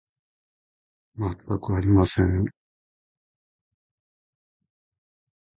わかりません